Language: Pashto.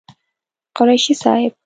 قريشي صاحب